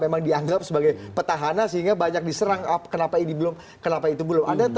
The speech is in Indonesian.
memang dianggap sebagai petahana sehingga banyak diserang kenapa ini belum kenapa itu belum